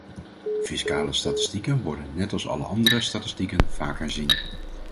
Fiscale statistieken worden, net als alle andere statistieken, vaak herzien.